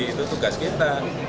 itu tugas kita